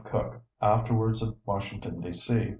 Cook, afterwards of Washington, D. C.